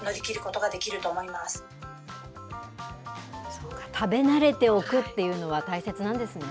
そうか、食べ慣れておくっていうのは大切なんですね。